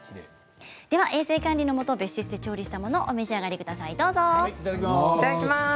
では衛生管理のもと別室で調理したものをお召し上がりください。